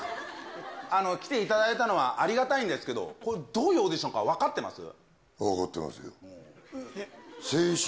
来ていただいたのは、ありがたいんですけど、これ、どういうオー分かってますけど。